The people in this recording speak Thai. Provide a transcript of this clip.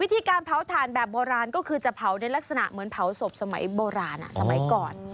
การเผาถ่านแบบโบราณก็คือจะเผาในลักษณะเหมือนเผาศพสมัยโบราณสมัยก่อน